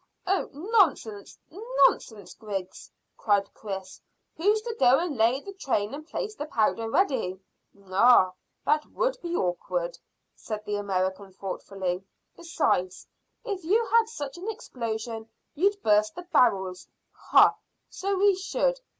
"Oh, nonsense, nonsense, Griggs!" cried Chris. "Who's to go and lay the train and place the powder ready?" "Ah, that would be awkward," said the American thoughtfully. "Besides, if you had such an explosion you'd burst the barrels." "Hah! So we should.